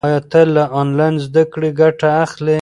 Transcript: آیا ته له انلاین زده کړې ګټه اخلې؟